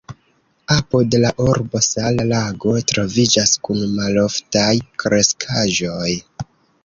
Apud la urbo sala lago troviĝas kun maloftaj kreskaĵoj.